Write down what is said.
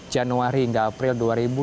januari hingga april dua ribu dua puluh